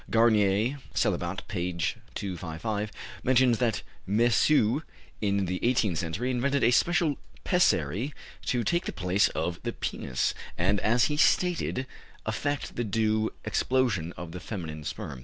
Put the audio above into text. Garnier (Célibat, p. 255) mentions that Mesué, in the eighteenth century, invented a special pessary to take the place of the penis, and, as he stated, effect the due expulsion of the feminine sperm.